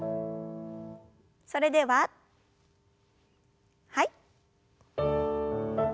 それでははい。